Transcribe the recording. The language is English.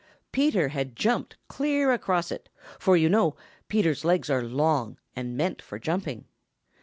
Peter had jumped clear across it, for you know Peter's legs are long and meant for jumping.